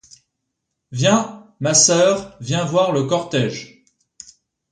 Viens, ma soeur, viens voir le cortège.